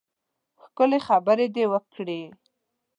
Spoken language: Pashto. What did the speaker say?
ښکلې خبرې دې وکړې.